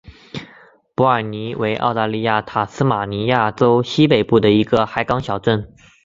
伯尔尼为澳大利亚塔斯马尼亚州西北部的一个海港小镇。